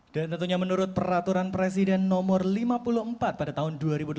dan tentunya menurut peraturan presiden nomor lima puluh empat pada tahun dua ribu delapan belas